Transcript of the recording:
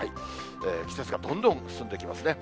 季節がどんどん進んできますね。